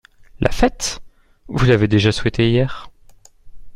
La fête ?… vous l’avez déjà souhaitée hier.